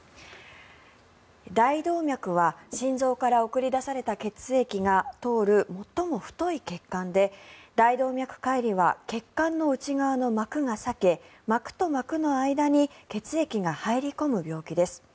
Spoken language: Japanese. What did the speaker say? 大動脈は心臓から送り出された血液が通る最も太い血管で大動脈解離は血管の内側の膜が裂け膜と膜の間に血液が入り込む病気です。